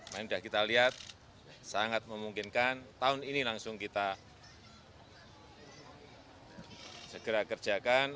ini sudah kita lihat sangat memungkinkan tahun ini langsung kita segera kerjakan